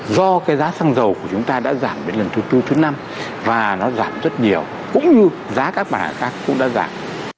do cái giá xăng dầu của chúng ta đã giảm đến lần thứ tư thứ năm và nó giảm rất nhiều cũng như giá các mặt khác cũng đã giảm